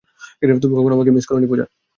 তুমি কখনো আমাকে, মিস করনি পূজা।